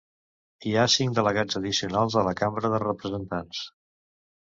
Hi ha cinc delegats addicionals a la Cambra de Representants.